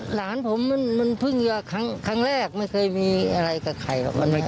หลานผมมันเพิ่งครั้งแรกไม่เคยมีอะไรกับใครหรอก